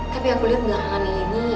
tapi aku lihat belakangan ini